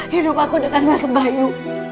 hidup aku dengan rasa bayu